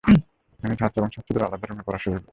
এখানে ছাত্র এবং ছাত্রীদের আলাদা রুমে পড়ার সুযোগ রয়েছে।